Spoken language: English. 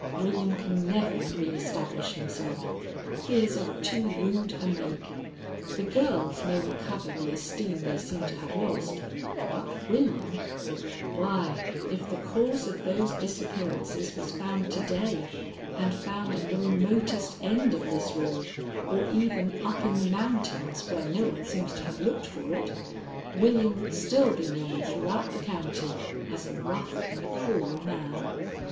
William can never re establish himself. He is of too rude a make. The girls may recover the esteem they seem to have lost, but William Why, if the cause of those disappearances was found to day, and found at the remotest end of this road or even up in the mountains, where no one seems to have looked for it, William would still be known throughout the county as a rough and cruel man.